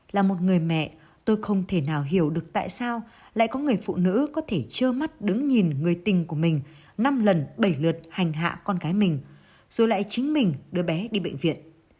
là một người mẹ tôi không thể nào hiểu được tại sao lại có người phụ nữ có thể chưa mắt đứng nhìn người tình của mình năm lần bảy lượt hành hạ con gái mình rồi lại chính mình đưa bé đi bệnh viện